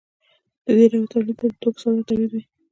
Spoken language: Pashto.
دې ډول تولید ته د توکو ساده تولید وايي.